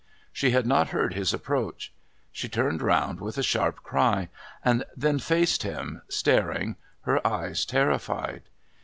She had not heard his approach. She turned round with a sharp cry and then faced him, staring, her eyes terrified.